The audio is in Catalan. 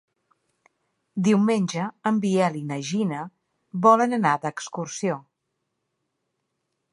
Diumenge en Biel i na Gina volen anar d'excursió.